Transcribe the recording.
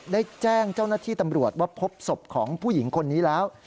ได้แจ้งเจ้าหน้าที่ตำรวจว่าพบศพของผู้หญิงคนนี้แล้ว